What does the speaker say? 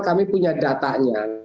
kami punya datanya